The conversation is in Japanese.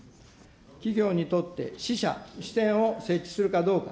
企業にとって支社、支店を設置するかどうか。